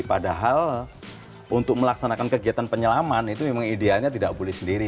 padahal untuk melaksanakan kegiatan penyelaman itu memang idealnya tidak boleh sendiri